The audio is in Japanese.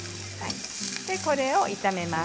これを炒めます。